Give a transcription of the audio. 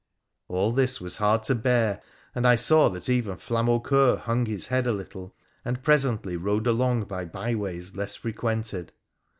All this was hard to bear, and I saw that even Flamaucoeur hung his head a little and presently rode along by byways less frequented.